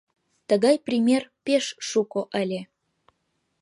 Тыгай пример пеш шуко ыле.